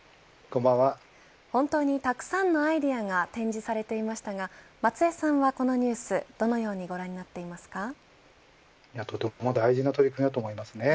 本当にたくさんのアイデアが展示されていましたが松江さんは、このニュースどのようにとても大事な取り組みだと思いますね。